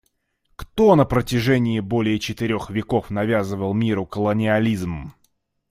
Кто на протяжении более четырех веков навязывал миру колониализм?